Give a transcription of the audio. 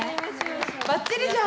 バッチリじゃん！